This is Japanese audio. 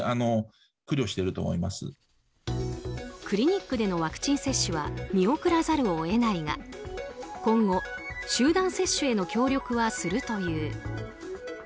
クリニックでのワクチン接種は見送らざるを得ないが今後、集団接種への協力はするという。